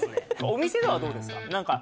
お店ではどうですか？